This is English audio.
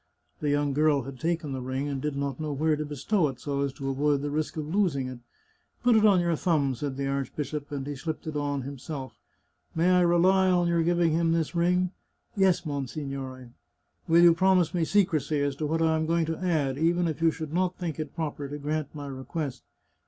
The young girl had taken the ring and did not know where to bestow it so as to avoid the risk of losing it. " Put it on your thumb," said the archbishop, and he slipped it on himself. " May I rely on your giving him this ring? "" Yes, monsignore." " Will you promise me secrecy as to what I am going to add, even if you should not think it proper to grant my request